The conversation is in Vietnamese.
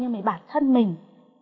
như bản thân mình